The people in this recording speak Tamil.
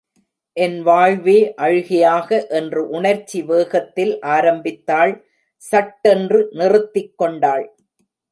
என் வாழ்வே அழுகையாக... என்று உணர்ச்சி வேகத்தில் ஆரம்பித்தாள் சட்டென்று நிறுத்திக்கொண்டாள்.